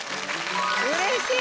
うれしい！